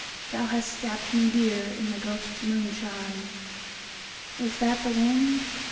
Thou hast stabbed me dear. In the ghosts' moonshine. Is that the wind